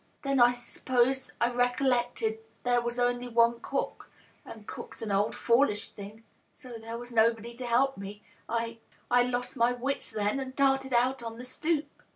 Then I s'pose I recollected there was only cook. And cook's an old foolish thing. So there was nobody but me. I — I lost my wits, then, and darted out on the stoop.